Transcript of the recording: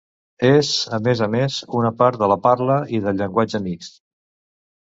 És, a més a més, una part de la parla i del llenguatge mixt.